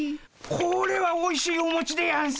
これはおいしいおもちでやんす。